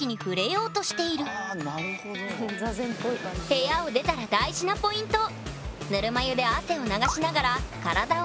部屋を出たら大事なポイント！